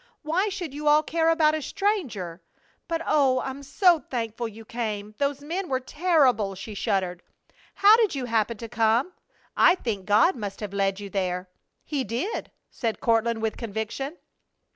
Why should you all care about a stranger? But, oh! I'm so thankful you came! Those men were terrible!" She shuddered. "How did you happen to come there? I think God must have led you." "He did!" said Courtland, with conviction.